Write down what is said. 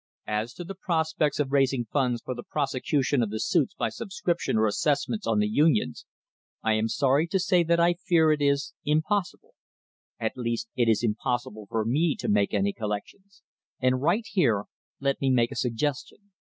As to the prospects of raising funds for the prosecution of the suits by subscription or assessments on the Unions, I am sorry to say that I fear it is impossible — at least it is impossible for me to make any collections — and right here let me make a suggestion.